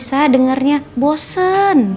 sa dengernya bosen